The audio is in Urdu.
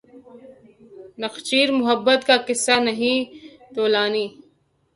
نخچیر محبت کا قصہ نہیں طولانی